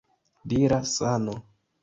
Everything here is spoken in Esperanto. Dira Sano!